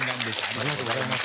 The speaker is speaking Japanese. ありがとうございます。